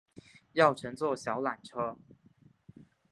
要转乘小缆车